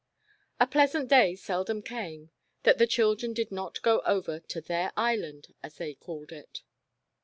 A pleasant day seldom came, that the children did not go over to "their island " as they called it.